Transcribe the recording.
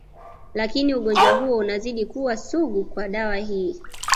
Lakini ugonjwa huo unazidi kuwa sugu kwa dawa hii